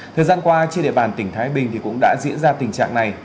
thời gian qua trên địa bàn tỉnh thái bình cũng đã diễn ra tình trạng này